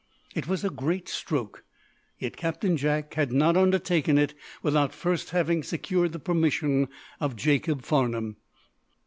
It was a great stroke. Yet Captain Jack had not undertaken it without first having secured the permission of Jacob Farnum.